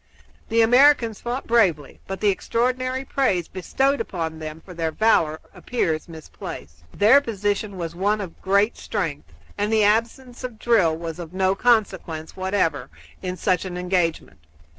The Americans fought bravely, but the extraordinary praise bestowed upon them for their valor appears misplaced. Their position was one of great strength, and the absence of drill was of no consequence whatever in such an engagement.